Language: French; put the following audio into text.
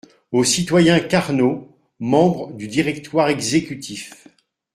Au citoyen Carnot, membre du directoire exécutif.